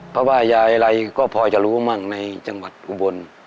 เพราะว่ายายอะไรก็พอจะรู้มั่งในจังหวัดอุบล